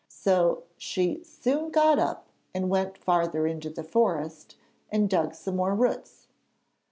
So she soon got up and went farther into the forest and dug some more roots.